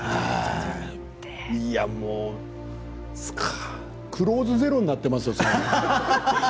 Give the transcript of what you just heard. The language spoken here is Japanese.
いや、もう「クローズＺＥＲＯ」になっていますよ。